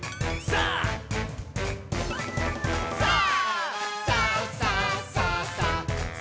さあ！さあ！」